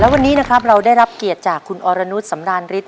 วันนี้นะครับเราได้รับเกียรติจากคุณอรนุษย์สำรานฤทธ